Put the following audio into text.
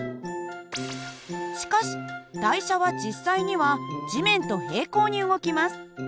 しかし台車は実際には地面と平行に動きます。